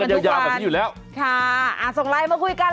เอออย่าให้เรามันเจอกันทุกคัน